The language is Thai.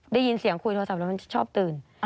ได้ยินเสียงคุยโทรศัพท์แล้วมันชอบตื่น